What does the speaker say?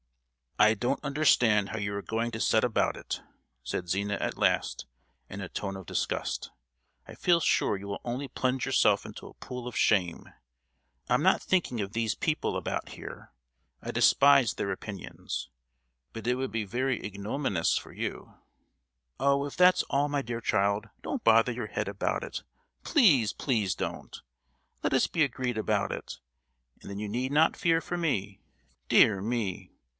"I don't understand how you are going to set about it," said Zina at last, in a tone of disgust. "I feel sure you will only plunge yourself into a pool of shame! I'm not thinking of these people about here. I despise their opinions; but it would be very ignominious for you." "Oh! if that's all, my dear child, don't bother your head about it: please, please don't! Let us be agreed about it, and then you need not fear for me. Dear me!